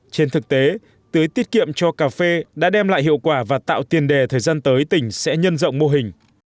trên thực tế tưới tiết kiệm cho cà phê đã đem lại hiệu quả và tạo tiền đề thời gian tới tỉnh sẽ nhân rộng mô hình